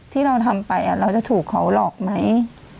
ที่เราทำไปเราจะถูกเขาหลอกไหม